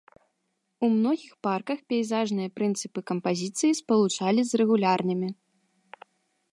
У многіх парках пейзажныя прынцыпы кампазіцыі спалучалі з рэгулярнымі.